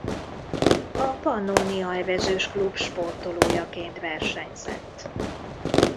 A Pannónia Evezős Klub sportolójaként versenyzett.